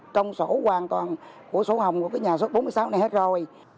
trong sổ hoàn toàn của sổ hồng của cái nhà xuất bốn mươi sáu này hết rồi